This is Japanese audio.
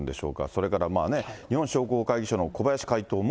それからまあね、日本商工会議所の小林会頭も。